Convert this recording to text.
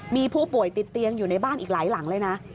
มีผู้ป่วยติดเตียงอยู่ในบ้านอีกหลายหลังเลยนะ